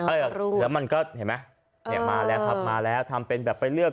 อยากรู้แล้วมันก็เห็นไหมเนี่ยมาแล้วครับมาแล้วทำเป็นแบบไปเลือก